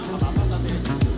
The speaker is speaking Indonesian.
bapak apa tadi